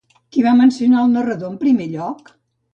Qui va mencionar el narrador en primer lloc?